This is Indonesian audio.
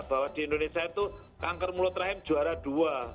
bahwa di indonesia itu kanker mulut rahim juara dua